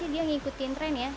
inovasinya sih dia ngikutin tren ya